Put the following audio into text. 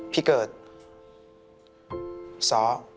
พี่เกิร์ตสอ